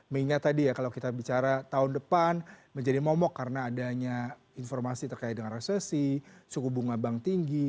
mengingat tadi ya kalau kita bicara tahun depan menjadi momok karena adanya informasi terkait dengan resesi suku bunga bank tinggi